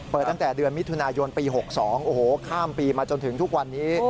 ตั้งแต่เดือนมิถุนายนปี๖๒โอ้โหข้ามปีมาจนถึงทุกวันนี้